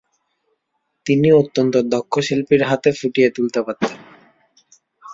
তিনি অত্যন্ত দক্ষ শিল্পীর হাতে ফুটিয়ে তুলতে পারতেন।